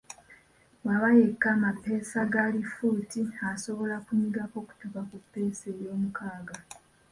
Bw'aba yekka, amapeesa ga lifuti asobola kunyigako kutuuka ku ppeesa eryomukaaga.